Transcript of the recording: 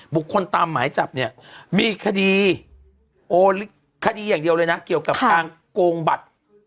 ตามหมายจับเนี่ยมีคดีโอนคดีอย่างเดียวเลยนะเกี่ยวกับการโกงบัตร